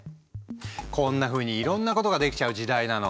こんなふうにいろんなことができちゃう時代なの。